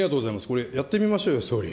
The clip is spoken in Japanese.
これ、やってみましょうよ、総理。